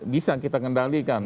bisa kita kendalikan